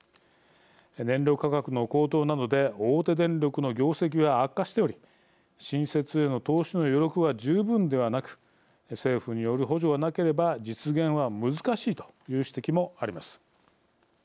燃料価格の高騰などで大手電力の業績は悪化しており新設への投資の余力は十分ではなく政府による補助がなければ実現は難しいという指摘もあります。